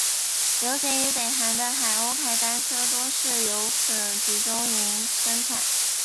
流行于北韩的海鸥牌单车多是由此集中营生产。